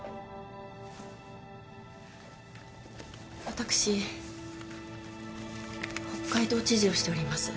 私北海道知事をしております